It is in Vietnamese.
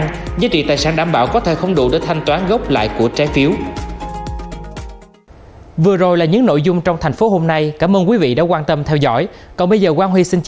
giá trị tài sản đảm bảo có thể không đủ để thanh toán gốc lại của trái phiếu